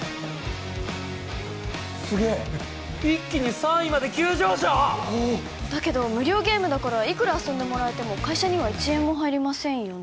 すげえ一気に３位まで急上昇だけど無料ゲームだからいくら遊んでもらえても会社には１円も入りませんよね